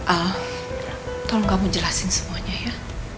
al tolong kamu jelasin semuanya ya